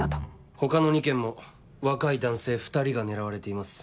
他の２件も若い男性２人が狙われています。